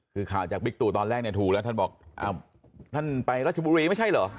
คือข่าวจากบิ๊กตูตอนแรกเนี่ยถูกแล้วท่านบอกอ้าวท่านไปรัชบุรีไม่ใช่เหรอ